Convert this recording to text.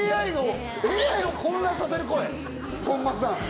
ＡＩを混乱させる声、本間さん。